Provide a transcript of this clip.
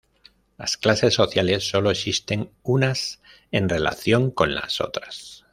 Las clases sociales sólo existen unas en relación con otras.